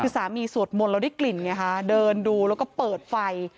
คือสามีสวดมนต์แล้วได้กลิ่นไงคะเดินดูแล้วก็เปิดไฟ